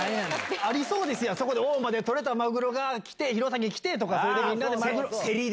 ありそうですやん、そこで、大間で取れたマグロが来て、弘前に来てとか、それでみんなで競りで。